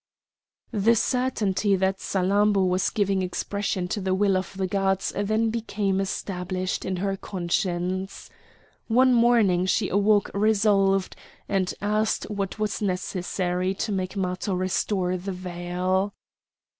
The certainty that Salammbô was giving expression to the will of the gods then became established in her conscience. One morning she awoke resolved, and she asked what was necessary to make Matho restore the veil.